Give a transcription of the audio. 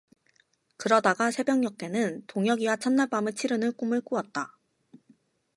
그러다가 새벽녘에는 동혁이와 첫날밤을 치르는 꿈을 꾸었다.